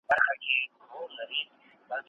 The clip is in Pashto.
انګلیسي ځواکونه د افغانانو له خوا ځپلي شول.